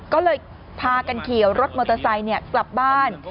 ก็เลยพากันขี่รถมอเตอร์ไซค์กลับบ้าน